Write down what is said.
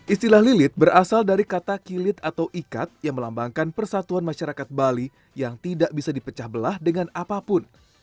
istilah lilit berasal dari kata kilit atau ikat yang melambangkan persatuan masyarakat bali yang tidak bisa dipecah belah dengan apapun